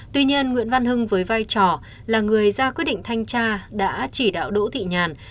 tuy nhiên nguyễn văn hưng với vai trò là người ra quyết định thanh tra đã chỉ đạo đỗ thị nhàn